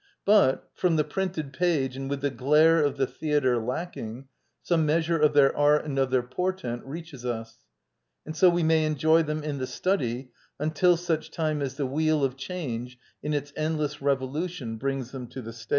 But, from the printed page and with the glare of the theatre lacking, some measure of their art and of their portent reaches us. And so we may enjoy them in the study until such time as the wheel of change, in its endless revolution, brings them to the stage.